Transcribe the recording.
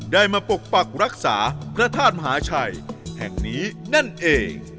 ได้มาปกปักรักษาพระธาตุมหาชัยแห่งนี้นั่นเอง